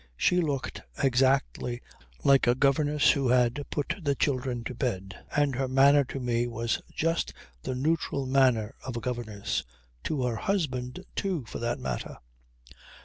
She looked exactly like a governess who had put the children to bed; and her manner to me was just the neutral manner of a governess. To her husband, too, for that matter.